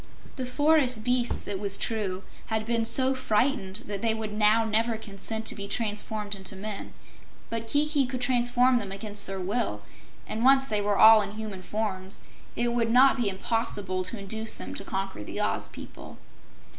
The forest beasts, it was true, had been so frightened that they would now never consent to be transformed into men, but Kiki could transform them against their will, and once they were all in human forms, it would not be impossible to induce them to conquer the Oz people.